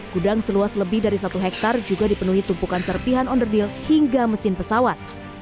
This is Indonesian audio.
gudang seluas lebih dari satu hektare juga dipenuhi tumpukan serpihan onderdeal hingga mesin pesawat